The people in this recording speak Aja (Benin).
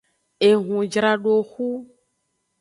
Ehunjradoxu.